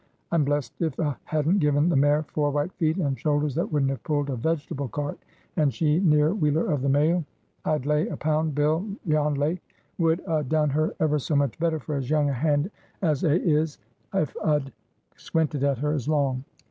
I'm blessed if a hadn't given the mare four white feet, and shoulders that wouldn't have pulled a vegetable cart; and she near wheeler of the mail! I'd lay a pound bill Jan Lake would a done her ever so much better, for as young a hand as a is, if a'd squinted at her as long."